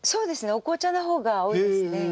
お紅茶の方が多いですね。